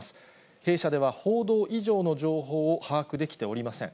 弊社では報道以上の情報を把握できておりません。